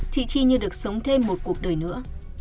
tri tri như được sống thêm một cuộc đời nữa